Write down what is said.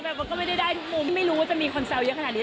มันก็ไม่ได้ได้ทุกมุมไม่รู้ว่าจะมีคนแซวเยอะขนาดนี้